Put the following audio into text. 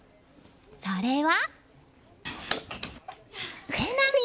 それは。